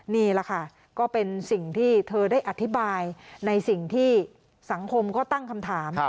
นี่แหละค่ะก็เป็นสิ่งที่เธอได้อธิบายในสิ่งที่สังคมก็ตั้งคำถาม